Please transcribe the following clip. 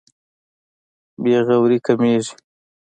بې غوري کمېږي.